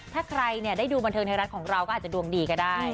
ถ้าใครได้ดูบันเทิงไทยรัฐของเราก็อาจจะดวงดีก็ได้